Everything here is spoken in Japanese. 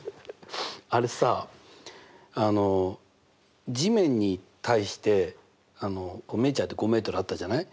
あれさあの地面に対してメジャーって５ｍあったじゃない。